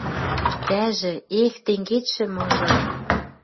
Тӓжӹ, эх, тенгечшӹ мыжыр